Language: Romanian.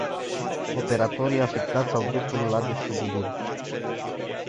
Operatorii afectați au dreptul la despăgubiri.